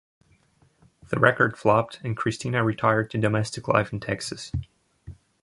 The record flopped, and Cristina retired to domestic life in Texas.